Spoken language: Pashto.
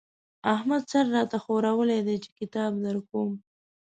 احمد سر را ته ښورولی دی چې کتاب درکوم.